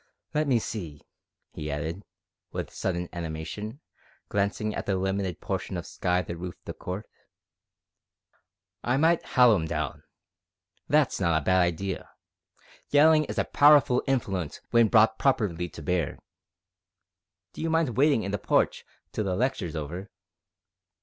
Let me see," he added, with sudden animation, glancing at the limited portion of sky that roofed the court, "I might howl 'im down! That's not a bad idea. Yellin' is a powerful influence w'en brought properly to bear. D'you mind waitin' in the porch till the lecture's over?"